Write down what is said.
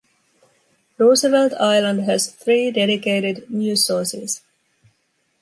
Roosevelt Island has three dedicated news sources.